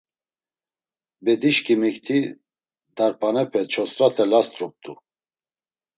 Bedişǩimikti darp̌anepe çost̆rate last̆rumt̆u.